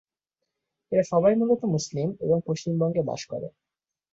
এরা সবাই মূলত মুসলিম এবং পশ্চিমবঙ্গে বাস করে।